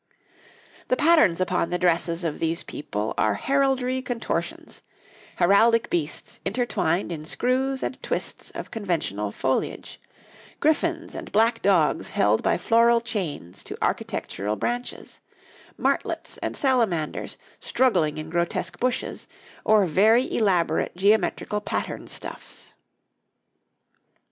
The patterns upon the dresses of these people are heraldry contortions heraldic beasts intertwined in screws and twists of conventional foliage, griffins and black dogs held by floral chains to architectural branches, martlets and salamanders struggling in grotesque bushes, or very elaborate geometrical patterned stuffs.